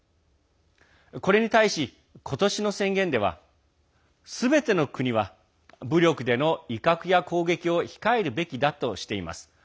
これに対し、今年の宣言ではすべての国は武力での威嚇や攻撃を控えるべきだとしています。